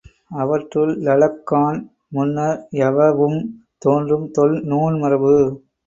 அவற்றுள், லளஃகான் முன்னர் யவவும் தோன்றும் தொல் நூன்மரபு.